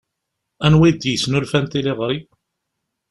Anwa d-yesnulfan tiliɣri?